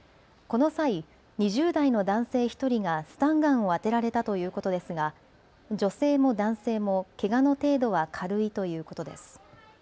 この際２０代の男性１人がスタンガンを当てられたということですが女性も男性もけがの程度は軽いということです。